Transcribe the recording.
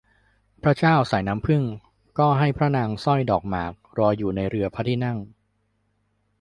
พระเจ้าสายน้ำผึ้งก็ให้พระนางสร้อยดอกหมากรออยู่ในเรือพระที่นั่ง